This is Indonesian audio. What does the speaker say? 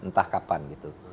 entah kapan gitu